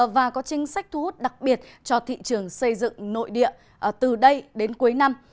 và có chính sách thu hút đặc biệt cho thị trường xây dựng nội địa từ đây đến cuối năm